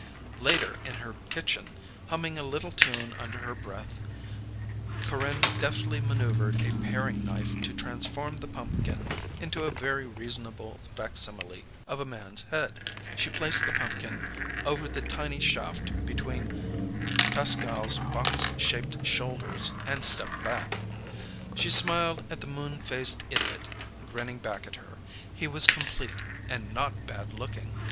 Later in her kitchen, humming a little tune under her breath, Corinne deftly maneuvered a paring knife to transform the pumpkin into a very reasonable facsimile of a man's head. She placed the pumpkin over the tiny shaft between Pascal's box shaped shoulders and stepped back. She smiled at the moon faced idiot grinning back at her. He was complete, and not bad looking!